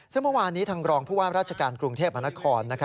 ซึ่งเมื่อวานนี้ทางรองผู้ว่าราชการกรุงเทพมหานคร